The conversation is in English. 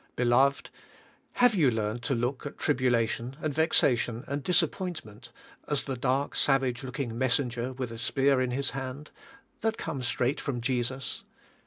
Beloved, have you learned to look at tribulation, and vexation, and disap pointment, as the dark, savage looking messenger with a spear in his hand, that comes straight from Jesus?